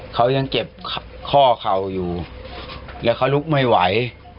เขายังเก็บข้อเข่าอยู่แล้วเขาลุกไม่ไหว